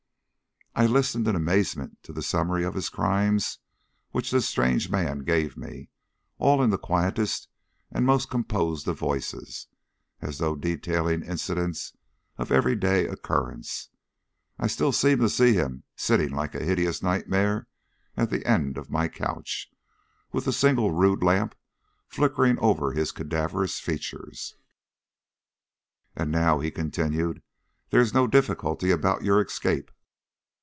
I listened in amazement to the summary of his crimes which this strange man gave me, all in the quietest and most composed of voices, as though detailing incidents of every day occurrence. I still seem to see him sitting like a hideous nightmare at the end of my couch, with the single rude lamp flickering over his cadaverous features. "And now," he continued, "there is no difficulty about your escape.